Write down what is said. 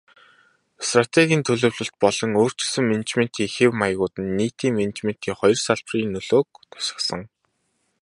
Стратегийн төлөвлөлт болон өөрчилсөн менежментийн хэв маягууд нь нийтийн менежментийн хоёр салбарын нөлөөг тусгасан.